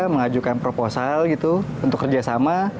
mengajukan proposal gitu untuk kerjasama